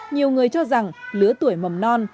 nhiều người cho rằng lứa tuổi mầm non